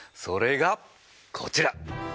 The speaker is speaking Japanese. それがこちら。